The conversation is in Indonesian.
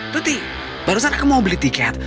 tuti barusan aku mau beli tiket